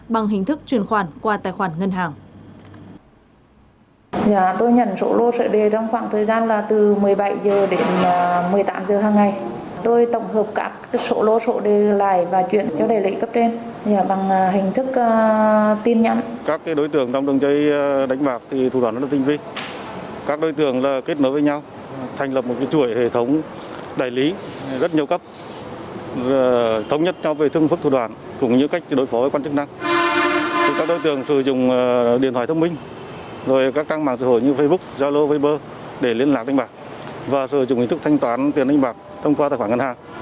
bằng hình thức truyền khoản qua tài khoản ngân hàng